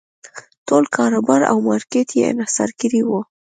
ټول کاروبار او مارکېټ یې انحصار کړی و.